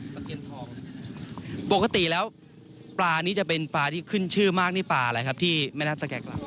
ตะเคียนทองปกติแล้วปลานี้จะเป็นปลาที่ขึ้นชื่อมากนี่ปลาอะไรครับที่แม่น้ำสแก่กลาง